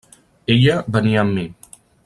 Ella venia amb mi.